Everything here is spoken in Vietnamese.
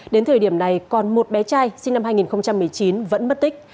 đến thời điểm này còn một bé trai sinh năm hai nghìn một mươi chín vẫn mất tích